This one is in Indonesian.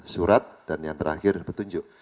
surat dan yang terakhir petunjuk